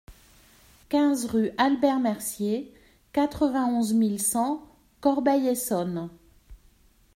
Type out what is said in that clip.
quinze rue Albert Mercier, quatre-vingt-onze mille cent Corbeil-Essonnes